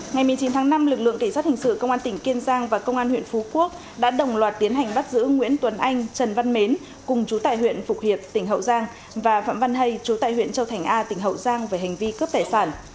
ngày một mươi chín tháng năm lực lượng kỳ sát hình sự công an tỉnh kiên giang và công an huyện phú quốc đã đồng loạt tiến hành bắt giữ nguyễn tuấn anh trần văn mến cùng chú tại huyện phục hiệp tỉnh hậu giang và phạm văn hay chú tại huyện châu thành a tỉnh hậu giang